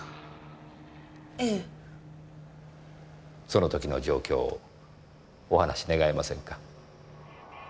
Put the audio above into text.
その時の状況をお話し願えませんか？